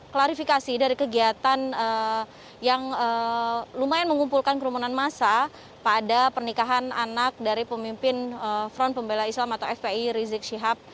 klarifikasi dari kegiatan yang lumayan mengumpulkan kerumunan masa pada pernikahan anak dari pemimpin front pembela islam atau fpi rizik syihab